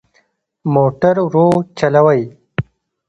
موټر ورو چلوئ